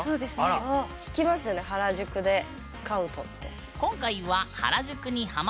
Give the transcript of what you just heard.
聞きますよね原宿でスカウトって。